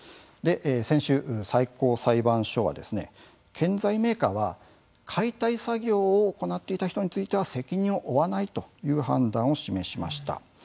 先週、最高裁判所は建材メーカーは解体作業を行っていた人については責任を負わないという判断を示しました。